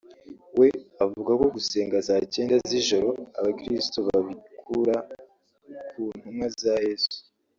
we avuga ko gusenga saa cyenda z’ijoro abakirisito babikura ku ntumwa za Yesu